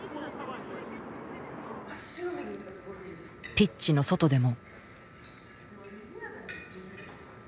ピッチの外でも。